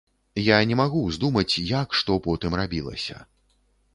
Я не магу ўздумаць, як што потым рабілася.